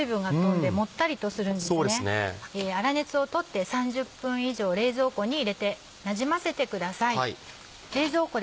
粗熱をとって３０分以上冷蔵庫に入れてなじませてください。